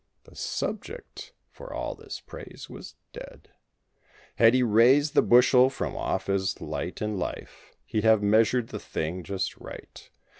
The subject for all this praise was dead. Had he raised the bushel from off his light In life he'd have measured the thing just right.